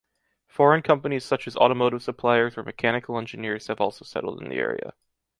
Foreign companies such as automotive suppliers or mechanical engineers have also settled in the area.